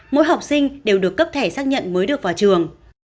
mỗi học sinh đều được cấp thẻ xác nhận mới được vào trường